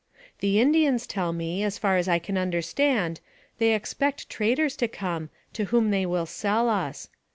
" The Indians tell me, as near as I can understand, they expect traders to come, to whom they will sell us.